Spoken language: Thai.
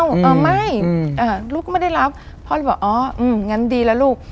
อืมอ่าไม่อ่าลูกก็ไม่ได้รับพ่อบอกอ๋ออืมงั้นดีแล้วลูก